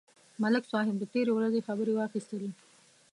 ملک صاحب د تېرې ورځې خبرې واخیستلې.